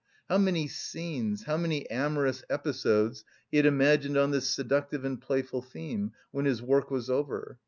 How many scenes, how many amorous episodes he had imagined on this seductive and playful theme, when his work was over!